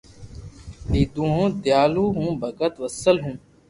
نيدون ھو دينديالو ھون ڀگت وسل ھون